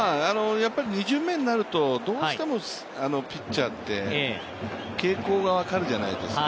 やっぱり２巡目になると、どうしてもピッチャーって傾向が分かるじゃないですか。